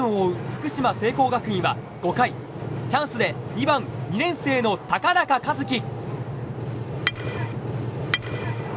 福島聖光学院は５回、チャンスで２番２年生の高中一樹。